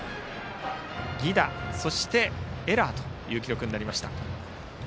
犠打、そしてエラーという記録になりました。